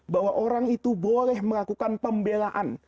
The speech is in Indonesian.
bahwa orang itu boleh melakukan pembelaan